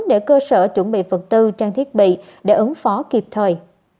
để cơ sở chuẩn bị vật tư trang thiết bị để ứng phó kịp thời